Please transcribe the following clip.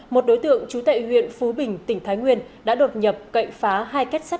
một đối tượng chú tệ huyện phú bình tỉnh thái nguyên đã đột nhập cậy phá hai kết xác